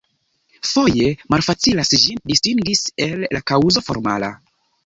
Foje malfacilas ĝin distingis el la kaŭzo formala.